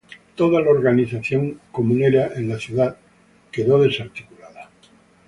Toda la organización comunera en la ciudad quedó desarticulada.